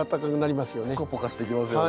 ポカポカしてきますよね。